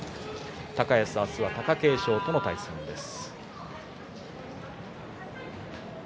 高安は明日、貴景勝との対戦です。